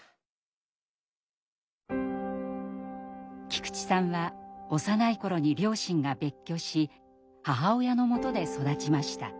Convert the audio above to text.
菊池さんは幼い頃に両親が別居し母親のもとで育ちました。